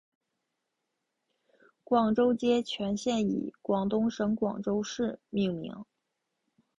广州街全线以广东省广州市命名。